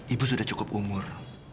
ibu sudah cukup umur